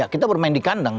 kita bermain di kandang